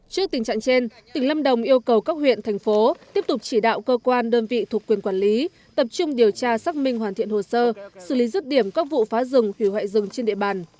trước tình trạng trên tỉnh lâm đồng yêu cầu các huyện thành phố tiếp tục chỉ đạo cơ quan đơn vị thuộc quyền quản lý tập trung điều tra xác minh hoàn thiện hồ sơ xử lý rứt điểm các vụ phá rừng hủy hoại rừng trên địa bàn